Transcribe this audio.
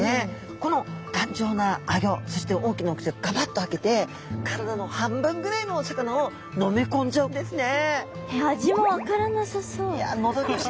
この頑丈なあギョそして大きなお口をがばっと開けて体の半分ぐらいのお魚を飲み込んじゃうんですね。